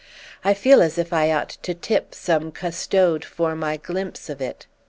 I feel as if I ought to 'tip' some custode for my glimpse of it.